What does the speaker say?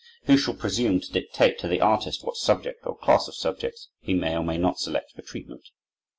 Who shall presume to dictate to the artist what subject, or class of subjects, he may or may not select for treatment?